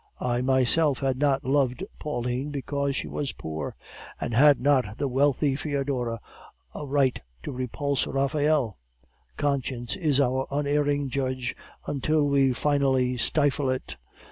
I myself had not loved Pauline because she was poor; and had not the wealthy Foedora a right to repulse Raphael? Conscience is our unerring judge until we finally stifle it.